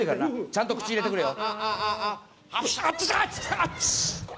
ちゃんと口に入れてくれよ。